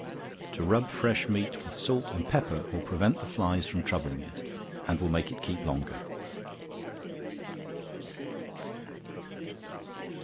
To rub fresh meat with salt and pepper will prevent the flies from troubling it, and will make it keep longer.